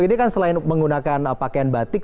ini kan selain menggunakan pakaian batik